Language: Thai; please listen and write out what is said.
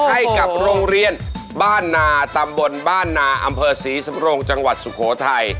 ให้กับโรงเรียนบ้านนาตำบลบ้านนาอำเภอศรีสำรงจังหวัดสุโขทัย